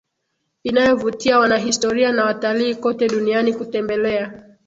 inayovutia wanahistoria na watalii kote duniani kutembelea